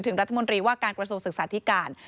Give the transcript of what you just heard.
ถึงรัฐมนตรีว่าการประสบศึกษาที่ก่อน